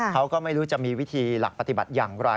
เขาก็ไม่รู้จะมีวิธีหลักปฏิบัติอย่างไร